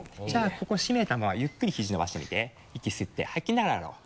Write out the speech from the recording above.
ここ締めたままゆっくり肘伸ばしてみて息吸って吐きながら上がろう。